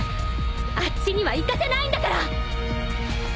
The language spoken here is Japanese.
あっちには行かせないんだから！